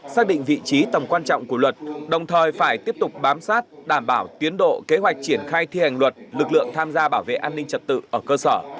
xác định vị trí tầm quan trọng của luật đồng thời phải tiếp tục bám sát đảm bảo tiến độ kế hoạch triển khai thi hành luật lực lượng tham gia bảo vệ an ninh trật tự ở cơ sở